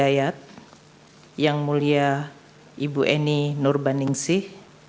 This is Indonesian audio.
yang mulia ibu eni nur baningsih